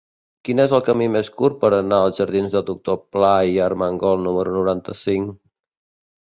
Quin és el camí més curt per anar als jardins del Doctor Pla i Armengol número noranta-cinc?